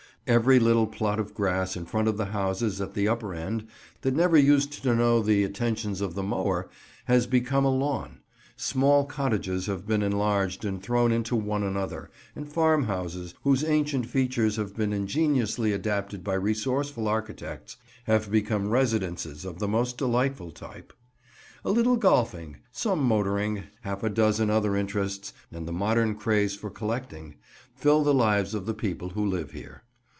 Every little plot of grass in front of the houses at the upper end, that never used to know the attentions of the mower, has become a lawn; small cottages have been enlarged and thrown into one another, and farmhouses, whose ancient features have been ingeniously adapted by resourceful architects, have become residences of the most delightful type. A little golfing, some motoring, half a dozen other interests and the modern craze for collecting, fill the lives of the people who live here.